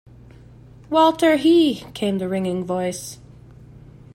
“Walter he!” came the ringing voice.